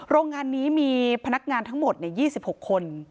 โรงงานนี้มีพนักงานทั้งหมด๒๖คน